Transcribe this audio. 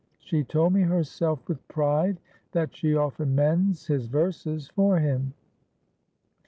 She told me herself with pride that she often 'mends' his verses for him.